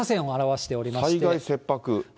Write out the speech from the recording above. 災害切迫。